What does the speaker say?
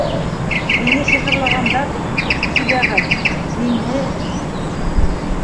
Һине сихырлағандар, Сибәғәт... һине...